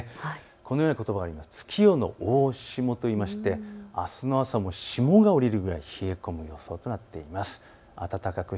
こうなることを月夜の大霜といいましてあすの朝も霜が降りるぐらい冷える予想となっています。